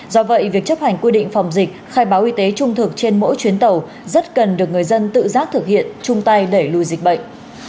do vậy việc chấp hành quy định phòng dịch khai báo y tế trung thực trên mỗi chuyến tàu rất cần được người dân tự giác thực hiện chung tay đẩy lùi dịch bệnh